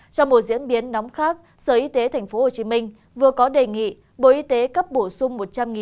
trong một diễn biến nóng khát sở y tế tp hcm vừa có đề nghị bộ y tế cấp bổ sung